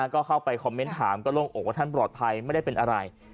ก็เข้าไปคอมเมนต์ถามก็โล่งอกว่าท่านปลอดภัยไม่ได้เป็นอะไร